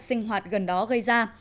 sinh hoạt gần đó gây ra